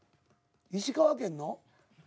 「石川県の」